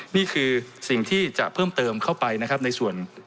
นี่คือสิ่งที่จะเพิ่มเติมเข้าไปนะครับในส่วน